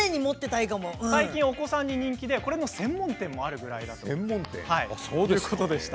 最近、お子さんに人気でこれの専門店もあるということです。